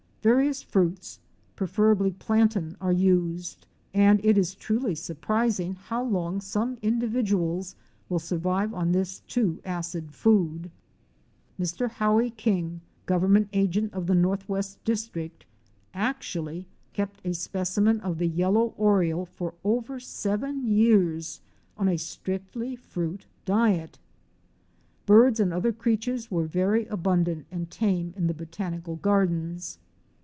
Various fruits, preferably plantain, are used, and it is truly surprising how long some individuals will survive on this too acid food. Mr. Howie King, Government Agent of the Northwest District, actually kept a specimen of the Yellow Oriole for over seven years on a strictly fruit diet! Birds and other creatures were very abundant and tame in the Botanical Gardens.